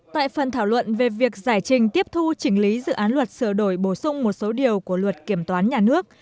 tại phần thảo luận về việc giải trình tiếp thu chỉnh lý dự án luật sửa đổi bổ sung một số điều của luật kiểm toán nhà nước